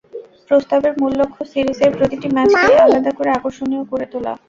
প্রস্তাবের মূল লক্ষ্য, সিরিজের প্রতিটি ম্যাচকেই আলাদা করে আকর্ষণীয় করে তোলা।